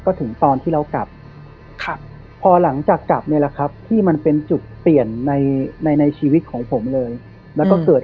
ก็ถึงตอนที่เรากลับครับพอหลังจากกลับเนี้ยแหละครับ